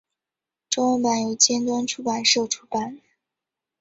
中文版由尖端出版社出版。